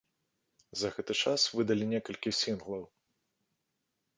За гэты час выдалі некалькі сінглаў.